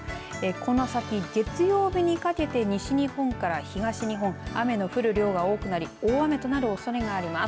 この先、月曜日にかけて西日本から東日本雨の降る量が多くなり大雨となるおそれがあります。